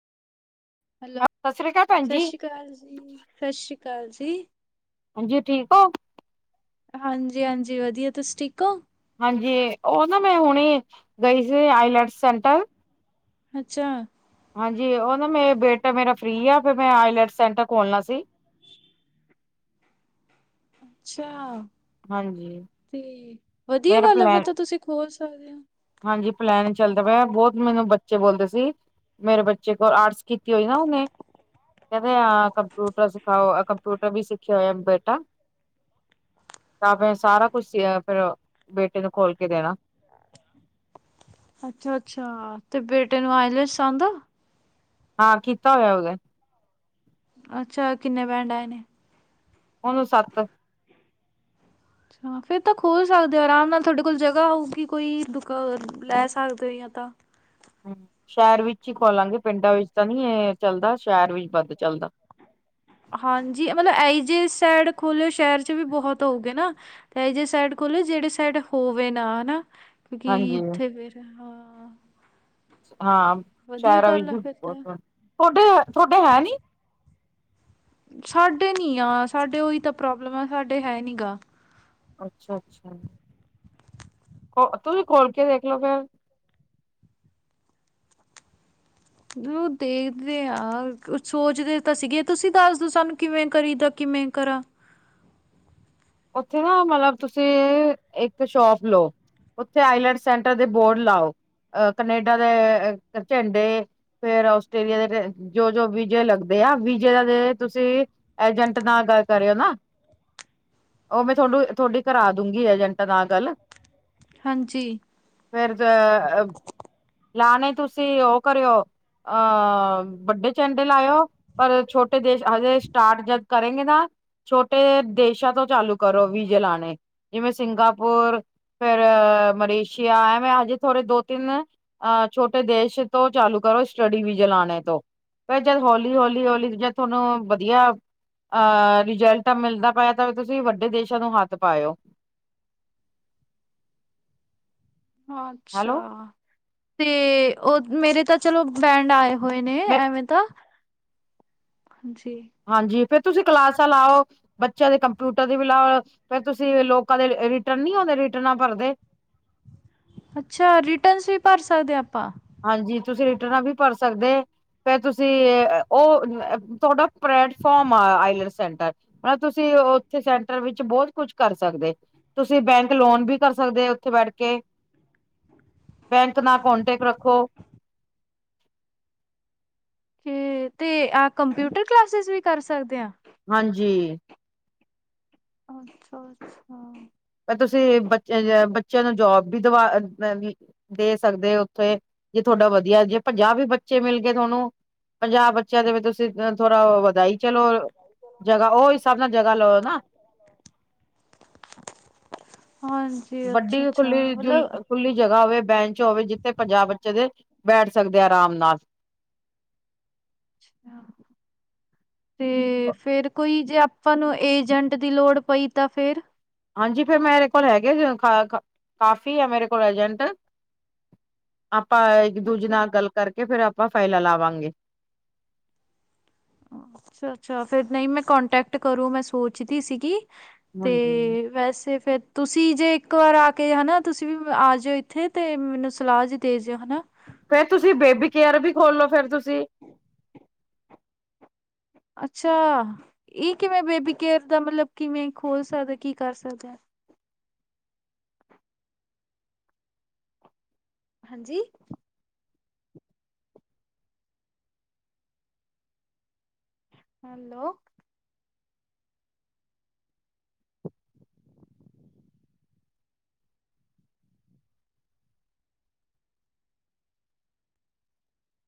Hello! Sat Sri ਅਕਾਲ ਭੈਣ ਸਤਿ ਜੀ, ਸ਼੍ਰੀ ਅਕਾਲ ਜੀ। ਸਤਿ ਸ੍ਰੀ ਅਕਾਲ ਜੀ। ਹਾਂਜੀ, ਠੀਕ ਹੋ? ਹਾਂਜੀ- ਹਾਂਜੀ। ਵਧੀਆ ਤੁਸੀਂ ਠੀਕ ਹੋ? ਹਾਂਜੀ। ਉਹ ਨਾ ਮੈਂ ਹੁਣੀ ਗਈ ਸੀ, ਆਈਲੈਟ ਸੇਂਟਰ ਅੱਛਾ। ਹਾਂਜੀ। ਉਹ ਨਾ ਮੇਂ ਬੇਟਾ ਮੇਰਾ ਫ੍ਰੀ ਆ, ਫਿਰ ''ਮੈਂ ਆਈਲੈਟ ਸੈਂਟਰ ਖੋਲਣਾ ਸੀ। [inaudible] ਅੱਛਾ, ਹਾਂਜੀ ਤੇ ਵਧੀਆ ਮੇਰਾ ਗੱਲ ਆ ਫਿਰ ਪਲੈਨ ਤਾਂ ਤੁਸੀਂ ਖੋਲ ਸਕਦੇ ਆ। ਹਾਂਜੀ ਪਲੈਨ ਚੱਲਦਾ ਪਿਆ, ਬਹੁਤ ਮੈਨੂੰ ਬੱਚੇ ਬੋਲਦੇ ਸੀ ਮੇਰੇ ਬੱਚੇ ਕੋਲ ਆਰਟਸ ਕੀਤੀ ਹੋਈ ਨਾ ਉਹਨੇ ਕਹਿੰਦੇ ਆਹ ਕੰਪਿਊਟਰ ਸਿਖਾਓ, ਏਹ ਕੰਪਿਊਟਰ ਵੀ ਸਿੱਖਿਆ ਹੋਇਆ ਬੇਟਾ। ਤਾਂ ਫਿਰ ਸਾਰਾ ਕੁਛ ਅਹ ਫਿਰ ਬੇਟੇ ਨੂੰ ਖੋਲ ਕੇ ਦੇਣਾ। ਅੱਛਾ-ਅੱਛਾ, ਤੇ ਬੇਟੇ ਨੂੰ ਆਈਲੇਟ੍ਸ ਆਂਦਾ। ਹਾਂ ਕੀਤਾ ਹੋਇਆ ਉਹਦੇ ਅੱਛਾ ਕਿੰਨੇ ਬੇਂਡ ਆਏ ਨੇ? ਉਹਨੂੰ ਸੱਤ ਅੱਛਾ। ਫੇਰ ਤਾਂ ਖੋਲ ਸਕਦੇ ਹੋ ਆਰਾਮ ਨਾਲ, ਤੁਹਾਡੇ ਕੋਲ ਜਗ੍ਹਾ ਹੋਊਗੀ ਕੋਈ ਦੁਕ ਲੈ ਸਕਦੇ ਹੋ ਜਾਂ ਕੁੱਤਾ ਹੂੰ, ਸ਼ਹਿਰ ਵਿੱਚ ਹੀ ਖੋਲਾਂਗੇ ਪਿੰਡਾਂ ਵਿੱਚ ਤਾਂ ਨਹੀ ਇਹ ਚੱਲਦਾ, ਸ਼ਹਿਰ ਵਿੱਚ ਵੱਧ ਚੱਲਦਾ [unintelligible] ਹਾਂਜੀ। ਮਤਲਬ ਐਈਜੇ ਸਾਈਡ ਖੋਲਿਓ ਸ਼ਹਿਰ'ਚ ਵੀ ਬਹੁਤ ਹੋਊਗੇ ਨਾ, ਤੇ ਇਹੀਜੇ ਸਾਈਡ ਖੋਲੋ ਜਿਹੜੇ ਸਾਈਡ ਹੋਵੇ ਨਾ, ਹਨਾ। ਕਿਉਂਕਿ ਹਾਂਜੀ, ਇੱਥੇ ਫਿਰ ਹ ਹਾਂ, ਵਧੀਆ ਸ਼ਹਿਰਾਂ ਵਿੱਚ ਗੱਲ ਆ ਵੀ ਫਿਰ ਤਾਂ। ਥੋਡੇ-ਥੋਡੇ ਹੈ, ਨੀ? ਸਾਡੇ ਨੀ ਆ ਸਾਡੇ ਉਹੀ ਤਾਂ ਪ੍ਰੋਬਲਮ ਆ, ਸਾਡੇ ਹੈਨੀ ਗਾ। ਅੱਛਾ, ਅੱਛਾ। ਓ, ਤੁਸੀਂ ਖੋਲ ਕੇ ਦੇਖਲੋ ਫੇਰ [unintelligible] ਉਹ ਦੇਖਦੇ ਆਂ, ਸੋਚਦੇ ਤਾਂ ਸੀਗੇ। 'ਤੁਸੀਂ ਦੱਸਦੋ ਸਾਨੂੰ ਕਿਵੇਂ ਕਰੀਦਾ ਕਿ ਮੇਂ, ਕਰਾਂ। ਉੱਥੇ ਨਾ ਮਤਲਬ ਤੁਸੀਂ ਇੱਕ ਸ਼ੋਪ ਲਓ ਉੱਥੇ ਆਈਲੇਟ ਸੈਂਟਰ ਦੇ ਬੋਰਡ ਲਾਓ। ਅ ਕਨੇਡਾ ਦੇ ਝੰਡੇ ਫੇਰ, ਆਸਟ੍ਰੇਲੀਆ ਦੇ, ਜੋ-ਜੋ ਵਿਜੇ ਲਗਦੇ ਵੀਜੇ ਦਾ ਦੇ ਤੁਸੀ, ਏਜੰਟ ਨਾਲ ਗੱਲ ਕਰਿਓ ਨਾ। [unintelligible] ਉਹ ''ਮੈਂ ਥੋਨੂੰ, ਥੋਡੀ ਕਰਰਾ ਦੂਗੀ ਏਜੰਟ ਨਾਲ ਗੱਲ। ਹਾਂਜੀ। ਫਿਰ ਜ ਲਾਣੇ ਤੁਸੀਂ ਉਹ ਕਰਿਓ ਅਹ ਵੱਡੇ ਚੰਡੇ ਲਾਇਓ ਪਰ, ਛੋਟੇ ਦੇਸ਼ ਹਜੇ ਸਟਾਰਟ ਜਦ ਕਰੇਂਗੇ ਨਾ ਛੋਟੇ ਦੇਸ਼ਾਂ ਤੋਂ ਚਾਲੂ ਕਰੋ ਵੀਜ਼ੇ ਲਾਣੇ, ਜਿਵੇਂ, ਸਿੰਗਾਪੁਰ ਫੇਰ, ਮਲੇਸ਼ੀਆ ਆ ਐਮੇਂ ਹਜੇ ਥੋੜੇ ਦੋ- ਤਿੰਨ ਅ ਛੋਟੇ ਦੇਸ਼ ਤੋਂ ਚਾਲੂ ਕਰੋ ਸਟੱਡੀ ਵੀਜੇ ਚਲਾਣੇ ਤੋਂ ਫ ਜਦ ਹੋਲੀ- ਹੌਲੀ-ਹੋਲੀ, ਜਦ ਤੁਹਾਨੂੰ ਵਧੀਆ ਅਹ। ਰਿਜਲਟ ਤਾ ਮਿਲਦਾ ਪਿਆ ਤਾਵੀ ਤੁਸੀਂ ਵੱਡਾ ਵਡੇ ਦੇਸ਼ਾਂ ਨੂੰ ਹੱਥ ਪਾਇਓ। ਅੱਛਾ। ਹੈਲੋ ਤੇ, ਉਹ ਮੇਰੇ ਤਾਂ ਚਲੋ ਬੈਂਡ ਆਏ। ਹੋਏ ਨੇ। ਮੈਂ ਐਵੇਂ ਤਾਂ, ਜੀ। ਹਾਂਜੀ। ਫਿਰ ਤੁਸੀਂ ਕਲਾਸਾਂ ਲਾਓ ਬੱਚਿਆਂ ਦੇ ਕੰਪਿਊਟਰ ਦੀ ਵੀ ਲਾਓ, ਫੇਰ ਤੁਸੀਂ ਲੋਕਾਂ ਦੇ ਏਰਿਟਰਨ ਨੀ ਹੁੰਦੇ ਟ ਨਾ ਭਰਦੇ ਅੱਛਾ ਰਿਟਰਨਸ ਵੀ ਭਰ ਸਕਦੇ ਆਪਾਂ ਹਾਂਜੀ ਤੁਸੀਂ ਰਿਟਰਨਾਂ ਵੀ ਭਰ ਸਕਦੇ। ਫ ਤੁਸੀਂ ਉਹ ਤੁਹਾਡਾ ਪਲੈਟਫਾਰਮ ਆ ਆਈਲ ਸੈਂਟਰ ਮਤ ਤੁਸੀਂ ਉੱਥੇ ਸੈਂਟਰ ਵਿੱਚ ਬਹੁਤ ਕੁਛ ਕਰ ਸਕਦੇ ਤੁਸੀਂ ਬੈਂਕ ਲੋਨ ਵੀ ਕਰ ਸਕਦੇ ਉੱਥੇ ਬੈਠ ਕੇ ਹ [inaudible] ਬੈਂਕ ਨਾਲ ਕੋਂਟੈਕਟ ਰੱਖੋ। ਤੇ ਆਹ ਕੰਪਿਊਟਰ ਕਲਾਸਿਸ ਵੀ ਕਰ ਸਕਦੇ ਹਾਂ। ਹਾਂਜੀ। ਅੱਛਾ ਅੱਛਾ ਤੁਸੀਂ ਬੱਚੇ-ਬੱਚਿਆਂ ਨੂੰ, ਜੋਬ ਵੀ ਦਵਾ ਦੇ ਸਕਦੇ ਉੱਥੇ। ਜੇ ਤੁਹਾਡਾ ਵਧੀਆ ਜੇ, ਪੰਜਾਹ ਵੀ ਬੱਚੇ ਮਿਲ ਗਏ ਥੋਨੁ ਪੰਜਾ ਬੱਚਿਆਂ ਦੇ ਵੀ, ਤੁਸੀਂ ਥੋਰਾ ਉਹ ਵਧਾਈ ਚਲੋ ਜਗ੍ਹਾ। ''ਉਹ ਹਿਸਾਬ ਨਾਲ ਜਗ੍ਹਾ ਲਓ ਨਾ। [inaudible] ਹਾਂਜੀ ਵੱਡੀ ਅੱਛਾ-ਅੱਛਾ ਖੁੱਲੀ, ਮਤਲਬ ਜੁਲ--ਖੁੱਲੀ ਜਗ੍ਹਾ ਹੋਵੇ। ਬੈਂਚ ਹੋਵੇ ਜਿੱਥੇ ਪੰਜਾ ਬੱਚੇ ਦੇ ਬੈਠ ਸਕਦੇ, ਅਰਾਮ ਨਾਲ। ਅੱਛਾ। ਤੇ, ਫੇਰ ਕੋਈ ਜੇ ਆਪਾਂ ਨੂੰ, ਏਜੰਟ ਦੀ ਲੋੜ ਪਈ ਤਾਂ ਫੇਰ? ਹਾਂਜੀ, ਫੇਰ ਮੇਰੇ ਕੋਲ ਹੈਗੇ ਅ, ਕਾਫੀ ਆ ਮੇਰੇ ਕੋਲ ਏਜੰਟ। ਆਪ ਆਪਾਂ ਇੱਕ ਦੂਜੇ ਅੱਛਾ। ਨਾਲ ਗੱਲ ਕਰਕੇ ਫੇਰ ਆਪਾਂ ਫਾਈਲਾਂ ਲਾਵਾਂਗੇ। ਅੱਛਾ ਅੱਛਾ ਫੇਰ ਨਹੀਂ ਮੈਂ ਕੋਂਟੈਕਟ ਕਰੂੰ ਮੈਂ ਸੋਚਦੀ ਸੀਗੀ। ਤੇ ਹਾਂਜੀ ਵੈਸੇ ਫੇਰ ਤੁਸੀਂ ਜੇ ਇੱਕ ਵਾਰ ਆ ਕੇ ਹਨਾ ਤੁਸੀਂ ਵੀ ਆ ਜਾਇਓ ਇੱਥੇ ਤੇ ਮੈਨੂੰ ਸਲਾਹ ਜੀ ਦੇ ਜਿਓ ਹਨਾ। ਫੇਰ ਤੁਸੀਂ ਬੇਬੀ ਕੇਅਰ ਵੀ ਖੋਲੋ ਫੇਰ ਤੁਸੀਂ ਅੱਛਾ ਇਹ ਕਿਵੇਂ ਬੇਬੀ ਕੇਅਰ ਦਾ ਮਤਲਬ ਕਿਵੇਂ ਖੋਲ ਸਕਦਾ ਕੀ ਕਰ ਸਕਦਾ। ਹਾਂਜੀ। ਹੈਲੋ